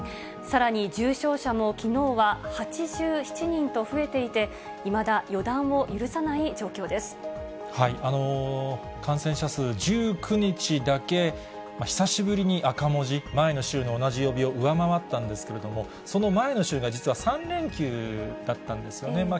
さらに重症者も、きのうは８７人と増えていて、いまだ予断を許さ感染者数、１９日だけ久しぶりに赤文字、前の週の同じ曜日を上回ったんですけれども、その前の週が、実は３連休だったんですよね。